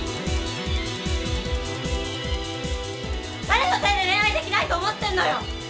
誰のせいで恋愛できないと思ってんのよ！